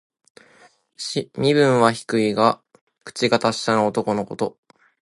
身分は低いが、口が達者な男のこと。